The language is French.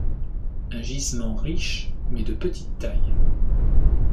Un gisement riche mais de petite taille.